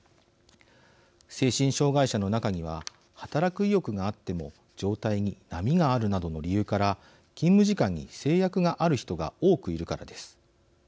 精神障害者の中には働く意欲があっても状態に波があるなどの理由から勤務時間に制約がある人が多くいるからです。